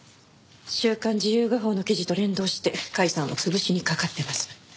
『週刊自由画報』の記事と連動して甲斐さんを潰しにかかってます。